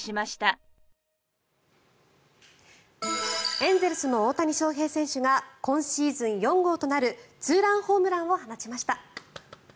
エンゼルスの大谷翔平選手が今シーズン４号となるツーランホームランを放ちました。